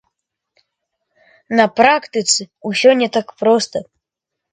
На практыцы ўсё не так проста.